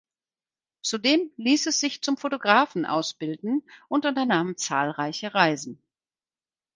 Zudem ließ es sich zum Fotografen ausbilden und unternahm zahlreiche Reisen.